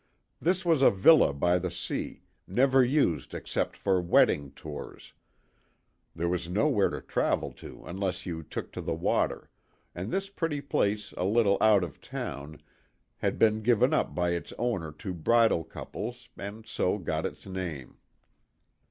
This was a villa by the sea, never used except for wedding "tours" there was nowhere to travel to unless you took to the water, and this pretty place a little out of town THE TWO WILLS. 131 had been given up by its owner to bridal couples and so got its name.